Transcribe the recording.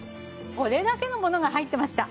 これだけのものが入ってました。